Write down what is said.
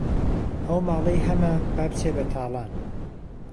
ئهو ماڵهی ههمه، با بچێ به تاڵان